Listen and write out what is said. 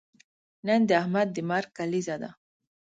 نن د احمد د مرګ کلیزه ده.